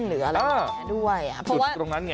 หรืออะไรแบบนี้ด้วย